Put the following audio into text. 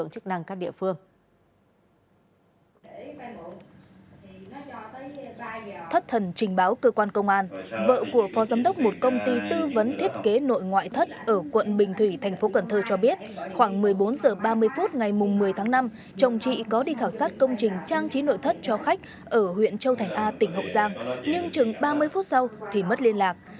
trình báo cơ quan công an vợ của phó giám đốc một công ty tư vấn thiết kế nội ngoại thất ở quận bình thủy tp cn cho biết khoảng một mươi bốn h ba mươi phút ngày một mươi tháng năm chồng chị có đi khảo sát công trình trang trí nội thất cho khách ở huyện châu thành a tỉnh hậu giang nhưng chừng ba mươi phút sau thì mất liên lạc